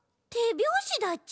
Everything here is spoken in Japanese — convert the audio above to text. びょうしだち？